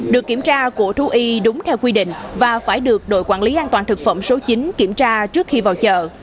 được kiểm tra của thu y đúng theo quy định và phải được đội quản lý an toàn thực phẩm số chín kiểm tra trước khi vào chợ